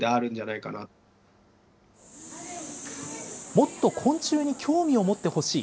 もっと昆虫に興味を持ってほしい。